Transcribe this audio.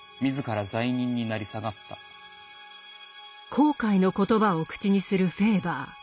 後悔の言葉を口にするフェーバー。